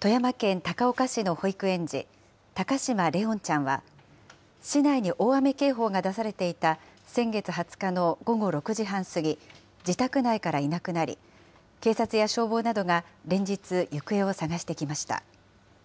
富山県高岡市の保育園児、高嶋怜音ちゃんは、市内に大雨警報が出されていた先月２０日の午後６時半過ぎ、自宅内からいなくなり、警察や消防などが連日、行方を捜してきました。